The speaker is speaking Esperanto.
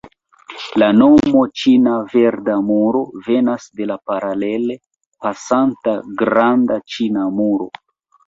La nomo Ĉina Verda Muro venas de la paralele pasanta Granda Ĉina Muro.